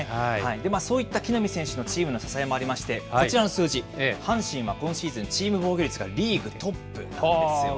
そういった木浪選手のチームの支えもありまして、こちらの数字、阪神は今シーズン、チーム防御率がリーグトップなんですよね。